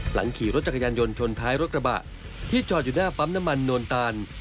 หลังขี่รถจักรยานยนต์ชนท้ายรถกระบะที่จอดอยู่หน้าปั๊มน้ำมันโนนตาล